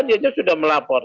dia sudah melapor